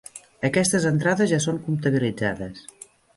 Aquestes entrades ja són comptabilitzades.